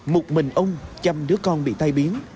một mình ông chăm đứa con bị tai biến